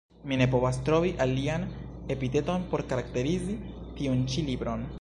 Mi ne povas trovi alian epiteton por karakterizi tiun ĉi libron.